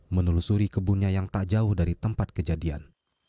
menelusuri kebunnya yang tak jauh dari tempat kejadian